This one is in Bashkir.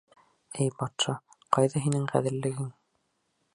— Эй батша, ҡайҙа һинең ғәҙеллегең?